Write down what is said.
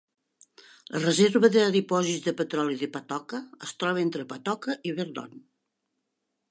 La reserva de dipòsits de petroli de Patoka es troba entre Patoka i Vernon.